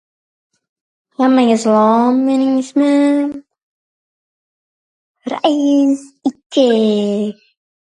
Yaxshi! Yana? O‘rtoq Menglievni- chi? Uniyam tepibsan-ku!